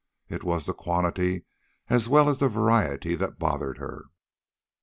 It was the quantity as well as the variety that bothered her.